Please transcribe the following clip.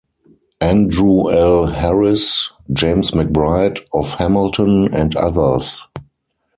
Andrew L. Harris, James McBride of Hamilton, and others.